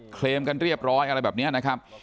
เคลมกันเรียบร้อยอะไรแบบนี้นะครับ